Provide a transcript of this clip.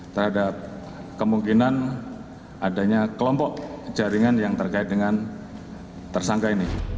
terhadap kemungkinan adanya kelompok jaringan yang terkait dengan tersangka ini